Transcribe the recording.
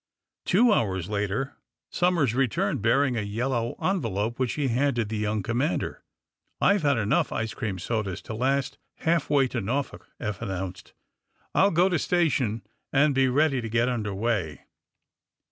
Two hours later Somers returned, bearing a yellow envelope, which he handed the young commander. "I've had enough ice cream sodas to last half way to Norfolk," Eph announced. "I'll go to station and be ready to get under way."